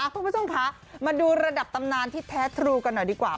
คุณผู้ชมคะมาดูระดับตำนานที่แท้ทรูกันหน่อยดีกว่า